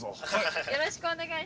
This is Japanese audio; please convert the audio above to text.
よろしくお願いします。